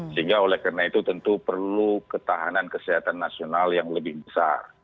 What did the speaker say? sehingga oleh karena itu tentu perlu ketahanan kesehatan nasional yang lebih besar